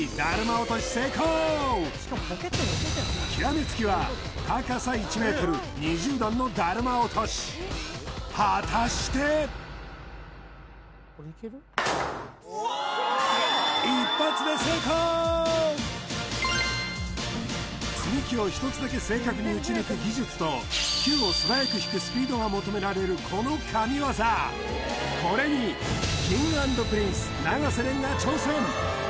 落とし成功極めつきは果たして積み木を１つだけ正確に打ち抜く技術とキューを素早く引くスピードが求められるこの神業これにＫｉｎｇ＆Ｐｒｉｎｃｅ永瀬廉が挑戦